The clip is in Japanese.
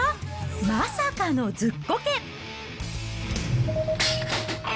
まさかのずっこけ。